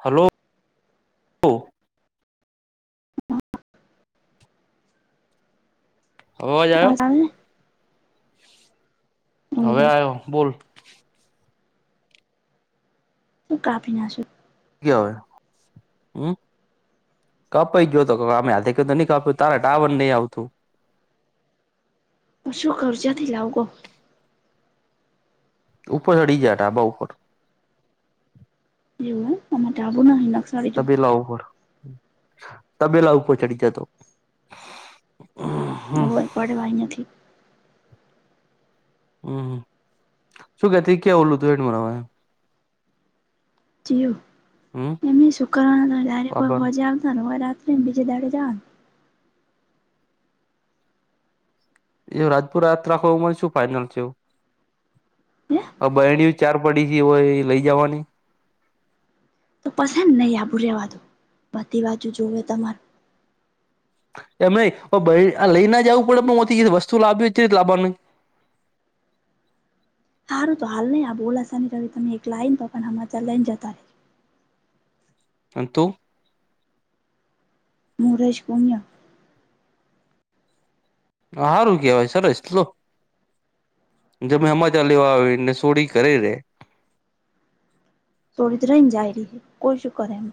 હાલો. અવાજ આયો? હવે ને આયો ફુલ. કાપી ના સે. કેવયો, હમ્મ. કપાઈ ગયો તો અમે હાથે ન કપુ તા ડાવર નહીં આવતું. શું કવઝાથી લાવગો. ઉપર ચ્યડી જયાટા ઢાબા ઉપર. એવું આમાં ટાબુ નહી નકસાડી જો તબેલા ઉપર. તબેલા ઉપર ચડી જાતો. [unintelligible] હોવાય પડવાય નથી. હમ્મ. શું કેથી ક્યાં ઓલું તું એનું રા [unintelligible] જીયુ હમ એમેય શુક્રવારના ડાયરેકો બાબર હોજા આવતા ને હો રાત્રે ને બીજે દાડે જવાનું. એ રાજપુરા યાત્રાખવમાં શું ફાઈનલ થીયું. હે આ બરણ્યુ ચાર પડીથી હોય લઈ જવાની? પસંદ નહી આભુ રેવાનો બધી બાજુ જોવે તમાર એમ નઇ આ ભઇ લઈને જવું પડે પણથી વસ્તુ લાવી થી ત લાવવા નહી. સારું તો હાલ નહી આ બોલાસાની ર તમે એક લાઈન પર પણ હમા ત લઈને જતા રે, અંન તુ? મોરે જ પૂન્ય સારું કેહેવાય સરસ લો, જેમ હમાચાર? લેવા આવી ને સોડી કરી રે, છોડી રહીને જાય રહી છે, કોઈ શું કરે એમ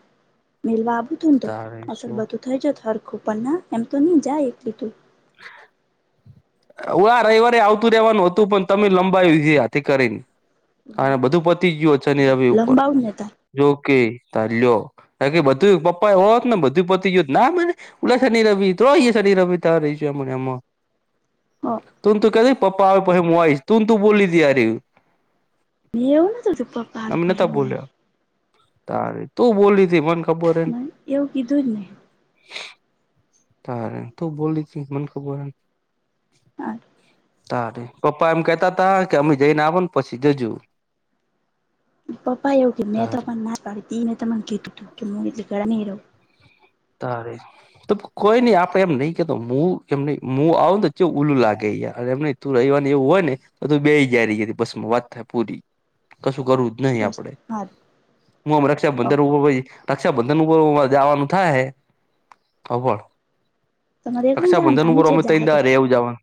મેલવા આવું થું ને તો અસલ આ બધું થઈ જાત હરખું પણ ના એમ તો નહી જાય એકલીધું [inaudible] હ આ રવિવારે આવતું રેવાનું હતું પણ તમે લંબાયું ઇ હાથી કરીને. અને બધું પતી ગયું ચની રવિ ઉપર લંબાવું ને તાર જોકે ચ્યો, હ કે બધું પપ્પા એ ઓત ને બધું પોતી યત ના મને ઓલા શનિ રવિ તોરો શનિ રવિ ત રહી છેમને એમાં હ તુંમ તું કેતી તી કે પપ્પા આવે પછી મુું આઈશ તુંમ તું બોલી હતી યારી એવુ ન ત તું પપ્પ આવી પછ મુ આવે, તારે તું બોલી હતી મને ખબરે હોય ને, મેં એવું કીધું જ ને, તારે તું બોલી થી મને ખબર હોય ન, હા, તારે પપ્પા એમ કેહેતા હતા કે અમે જઈને આવો ને પછી જજુ, પપ્પા એવું કે મેં તો તારે આપને ના પાડી ત મેને તમને કીધું તું કે હું એટલે ગા નહી લહું, ત્યારે, તો કોઈ નઈ આપડે એમ નહી કેતો હું એમ ન આવને ચેવ ઉલું લાગે યાર એમ ની તું રવિવાર ની એવું હોય ને તો તું બેઈ જારી બસ માં વાત થાય પૂરી કશું કરું નહી બસ આપડે હારુ હું આમ હો રક્ષાબંધન ઉપર રક્ષાબંધન ઉપર જવાનું થાય હે હાબળ તમારે એકલું જવાનું રક્ષાબંધન તમે ઉપર જે આમે જાહો તણ તો દા રેવ જવાનુ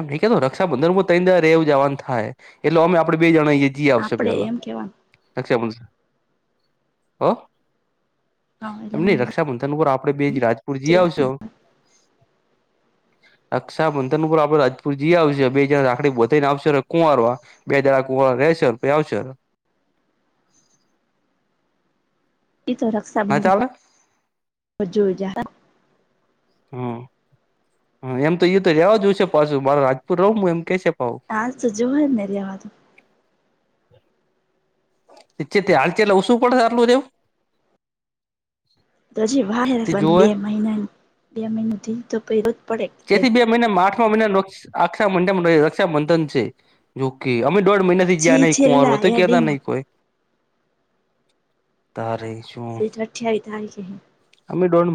એમ નહી કે તો રક્ષાબંધનમાં તણ દાડા રેવ જવાનું થાય એટલે અમે આપડે બે જણીએ જી આવશે આપડે પેલાં એમ કેવાનું રક્ષાબંધન હા, હા એટલે એમ નહીં મમ્મી રક્ષાબંધન ઉપર આપડે બે જ રાજપુર જઈ આવશો. રક્ષા બંધન ઉપર આપડે રાજપુર જઈ આવશે બે જ રાખડી બધાય ને આવશે કુંવાર, બે દડા કૂવાળ ર રહેશો પછે આવશે, એતો ના રક્ષાબંધન ચાલે પછી જોયુ જાહે, હા. હ એમ તો ય તો રવા જોવશે પાછું મા રાજપુર રહવ હું એમ કેસે પાવું. હા તોજ જોયને રીવાત. હ. તે ચેટ હાલચેટલે ઓછું પડશે આટલું રવું.? તો હજી વારે તે પણ જોવે બે મહિનાની, બે મહિનો ધ તો પહ જેથી બે મહિના આઠમા મહિનાન આક્ષબધમ રક્ષાબંધન છે જોકે અમે દોઢ મહિના ગયા છી નહી છેલ્લા કુંવાર તો કેતા એડિંગમાં નહી કોઈ તારેય શુ. સ અઠાઈ તારીખે હે. અમે દોઢ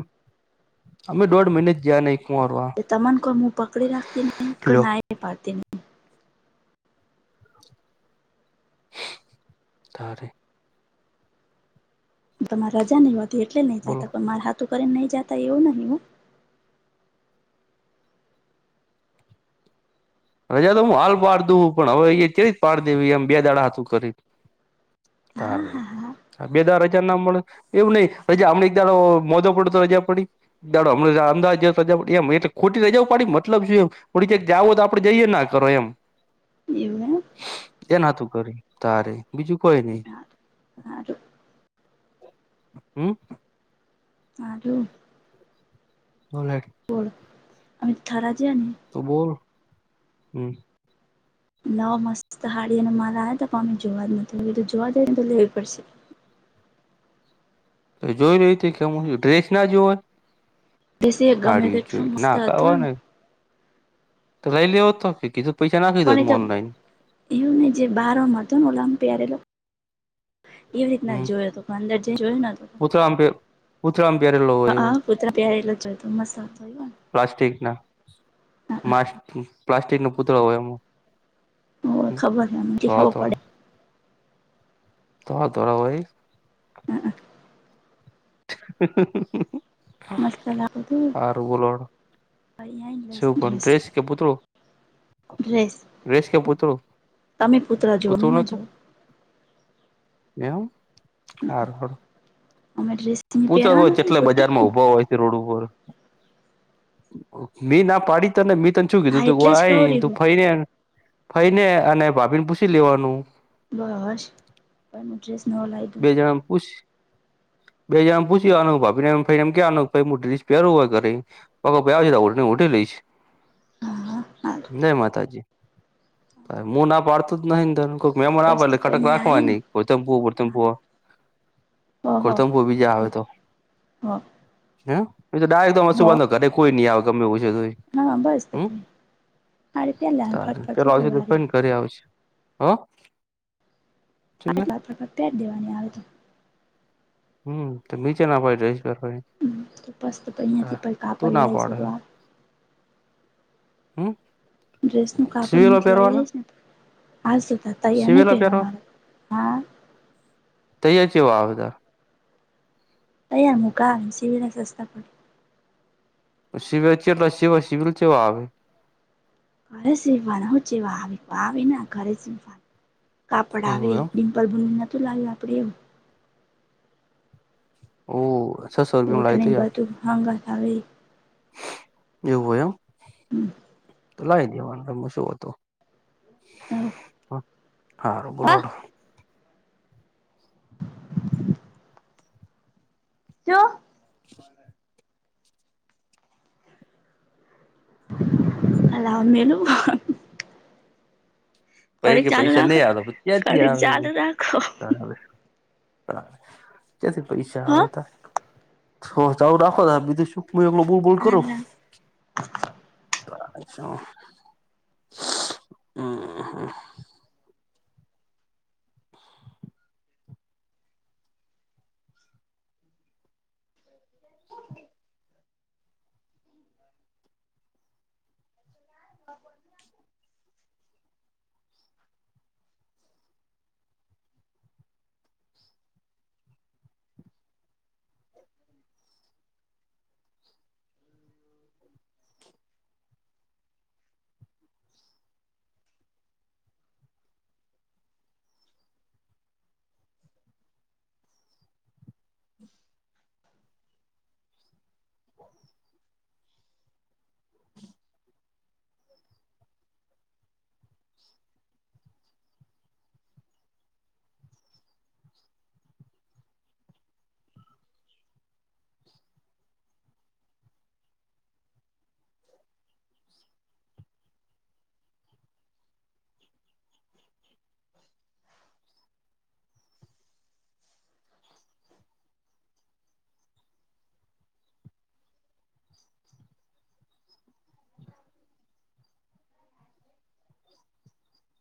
અમે દોઢ મહિને જ જયા નહી કુંરવા. તમન કો હું પકડી રાખતી નને કે ના પાડતી નહી. તારે, તમારે રજા નહી હોતી એટલે નહી બોલો જતા પણ મારે હાથું કરીને ને નહી જતા એવું નહિ હું. રજા તો હું હાલ પાડ દું હું પણ હવે એ ત જ પાડ દે એમ બે દાડા હતું કરી. હા તારે. હા હા બે દા રજા ના મળે એવું નહી રજા હમને એક દાણ મોજો પડ તો રજા પડી. દાડો હમણા અમાદ રજા પડી એમ એ ખોટી રજાઓ પડી મતલબ શું એમ થોડીક જઓ તો આપ આપણે જઈએ ના કરો એમ એવુ હે એ નાતું કરે તારે બીજું કોઈ નઈ હારું હમ. આ [inaudible] ભોલે અંત થરા જન તો બોલ હમ. લાવ મસ્ત હાડી અને મારા આવ હતા પામે જોવા જ નથી તો જોવા જઈ ને તો લેવી પડશે. તો જોઈ ર્યું ત કે હું ડ્રેસ ના જો વાય ડ્રેસે ગમે હાડી જોઈ તેટલું મસ્ત ના હતો કવા ને ન તો લઈ લ્યો તોધું પૈસા નાખી પણ એ જું તો ઓનલાઈન એવું ને જે બહારમાં હત ઓલં પિરેલો એવી રીતના હમ જોયો હતો. અંદર જે જોયુંને તો. ઉતરામ પે પૂતળામ પહેરેલો હોય હ એવો હ પુત પ્યાર એટલા જોય તો મસ્ફ થય ને. પ્લાસ્ટિક ના મા પ્લાસ્ટિક નો પુતળો હોય એમ. ખાથી ધોળા ખા પ [unintelligible] તોરા ધરા હોય. પડે મસ્ત લાગતું હતું હ બોલોણ [unintelligible] અહીં આવીને લઈશ શું કોણ ડ્રેસ કે પૂતળું. ડ્રેસ રેશ કે પુતું તમે પુત્ર જો અમે પુતું ન ના જો હતું. એમ હાર હાર અમે ડ્રેસને પૂછ હોય પહેરવાનું હે ને જેટલે છુટ્ટી હે બજારમાં ને ઉભા હોય. રોડ ઉપર મે ના પાડી તને મે તને. પૂછું કીધું હા ત એટલે જ કવ આઈ રહી તું હું ફઈને ફઈને અને ભાભી ને પૂછી લેવાનું. બસ. પણનું ડ્રેસ લાગ. બે જણા પૂછ. બે જને પછ્યું અનોક ભાભીનેમ ક્યા અનો ભાઈ સ્ પેારર હોવા ઘરે. પગ પ્યાને ઉઠી લઈ છે. [inaudible] હાલ નહી માતાજી ક મું ના પાડતું જ નહી ધ ખ મે બસ બરાબર તો એટલે પ કટક અહીંયા આઈ રાખવાની કો ત મુ ને ઓહો ગતમપુર બીજા આવે તો હો હે. તો દાય એકદમશું બાંધો કઈ આવે ગમેવછ છે. હ બસ હમ મારે પહેલા ફટફટ ચટલી વારી. કરી આવશે હ. શું કે પેજ દેવાની આવે તો. હમ તો નીચે ના પ ડ્રેસ પહેરવા હોય. ધપસ તો બિયાંથી પડકાપડ ના લય પાડે શઆત. હમ? ડ્રેસ નું સિવેલો કાપડ લઈ પહેરવાના લઈશ ને, હાલ તોતા તૈયાર નહી સિવેલા પહેવા પહેરવા મારો હા. તૈયા છે વા આપદ? અયા મુકા સિવસ પ. શિબ છેસીવા શિબિલ છેવા? ઘરે સીવવાનું ચવા આવે આવે ઘરે સીવવાનું, કાપડ આવે. એવું એમ પરરબુ નતું લાગ્યું આપડે એમ. હ. ઘઠણી બધું હાંગ આવે. જેવું હોયો. તો લાવી દેવાનુંમાં શું હતું. હા બોલોડ. જો [inaudible] અમલું [unintelligible] પ કડીક કે ચાલુ પૈસા રાખો નહી આવે પછી કડીક ચાલુ ક્યાંથી રાખો આવે. કેથી પૈસા હ આવે ત, આવું રાખો ત બીજું શું. હું એલો બોલબોલ કરું. હમ. હ હા. [unintelligible] [unintelligible]